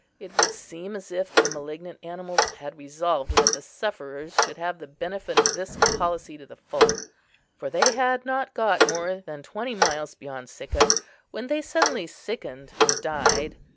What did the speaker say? It would seem as if the malignant animals had resolved that the sufferers should have the benefit of this policy to the full; for they had not got more than twenty miles beyond Sicca when they suddenly sickened and died.